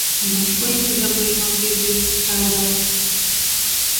Nu sliņķe dabūja mācīties strādāt.